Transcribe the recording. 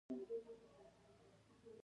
متلونه د کولتور معنوي اړخ وړاندې کوي